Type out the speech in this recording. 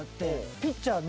ピッチャー！